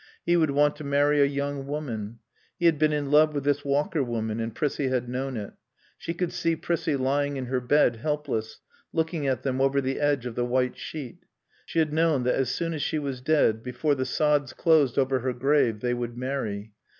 He would want to marry a young woman. He had been in love with this Walker woman, and Prissie had known it. She could see Prissie lying in her bed, helpless, looking at them over the edge of the white sheet. She had known that as soon as she was dead, before the sods closed over her grave, they would marry.